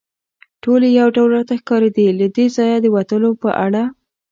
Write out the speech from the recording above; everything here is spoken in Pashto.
ټولې یو ډول راته ښکارېدې، له دې ځایه د وتلو په اړه.